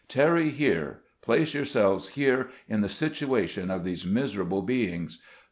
tarry here, place your selves here, in the situation of these miserable beings